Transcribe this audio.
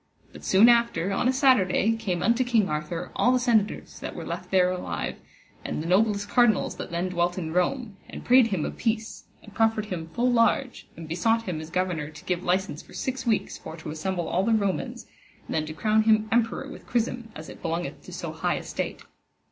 But soon after on a Saturday came unto King Arthur all the senators that were left alive, and the noblest cardinals that then dwelt in Rome, and prayed him of peace, and proferred him full large, and besought him as governor to give licence for six weeks for to assemble all the Romans, and then to crown him emperor with chrism as it belongeth to so high estate.